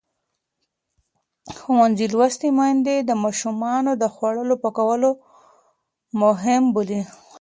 ښوونځې لوستې میندې د ماشومانو د خوړو پاکوالی مهم بولي.